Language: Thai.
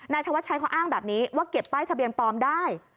ธวัชชัยเขาอ้างแบบนี้ว่าเก็บป้ายทะเบียนปลอมได้